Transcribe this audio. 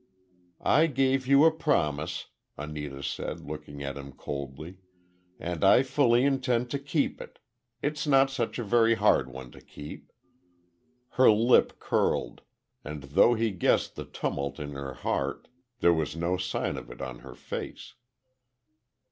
"I gave you a promise," Anita said, looking at him coldly, "and I fully intend to keep it. It's not such a very hard one to keep." Her lip curled, and though he guessed the tumult in her heart, there was no sign of it on her face.